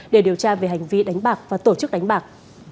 để điều tra về hành vi đánh bạc và tổ chức đánh bạc